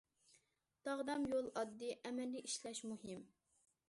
داغدام يول ئاددىي، ئەمەلىي ئىشلەش مۇھىم.